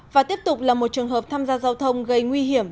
và tiếp tục là một trường hợp tham gia giao thông gây nguy hiểm